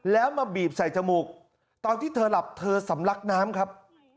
แล้วมาบีบใส่จมูกตอนที่เธอหลับเธอสำลักน้ำครับ